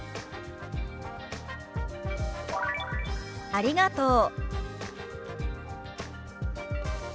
「ありがとう」。